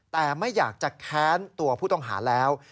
แต่ไม่อยากจะแค้นตัวผู้ต้องหาแล้ว